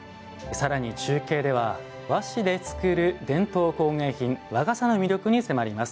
さらに中継では和紙で作る伝統工芸品和傘の魅力に迫ります。